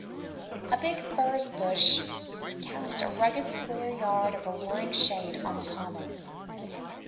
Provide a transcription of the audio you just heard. A big furze bush cast a ragged square yard of alluring shade on the common.